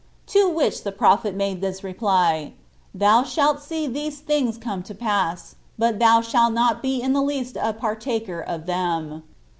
To which the prophet made this reply," Thou shalt see these things come to pass, but thou shalt not be in the least a partaker of them."